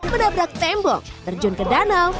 menabrak tembok terjun ke danau